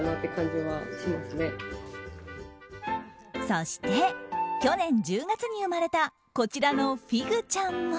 そして、去年１０月に生まれたこちらのフィグちゃんも。